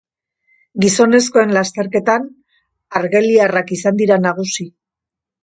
Gizonezkoen lasterketan argeliarrak izan dira nagusi.